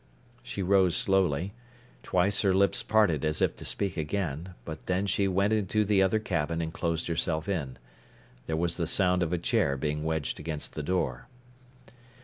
She rose slowly. Twice her lips parted as if to speak again, but then she went into the other cabin and closed herself in. There was the sound of a chair being wedged against the door.